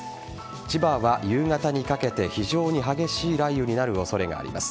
千葉は夕方にかけて非常に激しい雷雨になる恐れがあります。